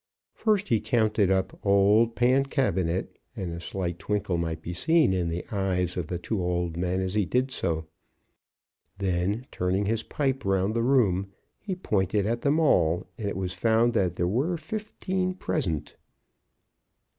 First he counted up old Pancabinet, and a slight twinkle might be seen in the eyes of the two old men as he did so. Then, turning his pipe round the room, he pointed at them all, and it was found that there were fifteen present.